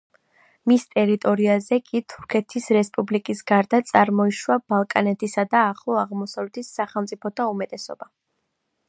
მის ტერიტორიაზე კი თურქეთის რესპუბლიკის გარდა წარმოიშვა ბალკანეთისა და ახლო აღმოსავლეთის სახელმწიფოთა უმეტესობა.